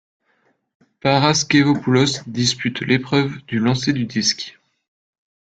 Paraskevópoulos dispute l'épreuve du lancer du disque.